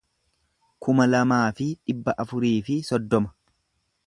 kuma lamaa fi dhibba afurii fi soddoma